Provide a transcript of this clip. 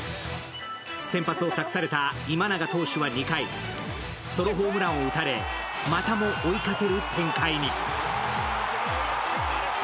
先発を託された今永投手は２回ソロホームランを打たれ、またも追いかける展開に。